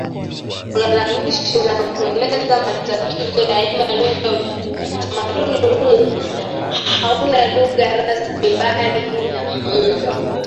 ulalamishi na kueleza matatizo daima Lugha Utamaduni huu hauna lugha rasmi bali ina muundo